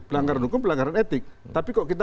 pelanggaran hukum pelanggaran etik tapi kok kita